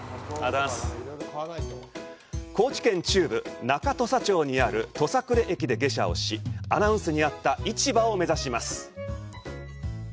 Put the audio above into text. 高知県中部、中土佐町にある土佐久礼駅で下車し、アナウンスにあった市場を目指します。